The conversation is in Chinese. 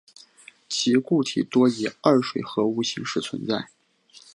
其固体多以二水合物形式存在。